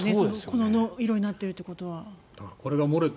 この色になっているということは。